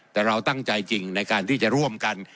แต่เราตั้งใจจริงในการที่จะร่วมกัน